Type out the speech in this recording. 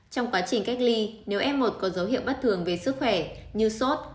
trong quá trình cách ly nếu f một có dấu hiệu bất thường về sức khỏe như sốt